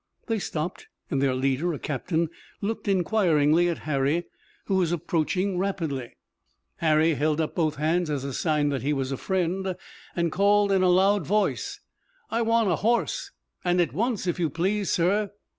They stopped and their leader, a captain, looked inquiringly at Harry, who was approaching rapidly. Harry held up both hands as a sign that he was a friend, and called in a loud voice: "I want a horse! And at once, if you please, sir!"